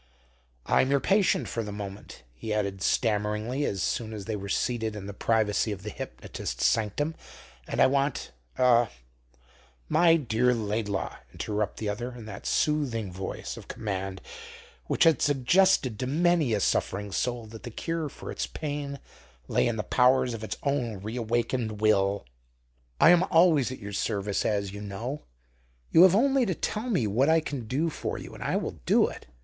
"I'm your patient for the moment," he added stammeringly as soon as they were seated in the privacy of the hypnotist's sanctum, "and I want er " "My dear Laidlaw," interrupted the other, in that soothing voice of command which had suggested to many a suffering soul that the cure for its pain lay in the powers of its own reawakened will, "I am always at your service, as you know. You have only to tell me what I can do for you, and I will do it."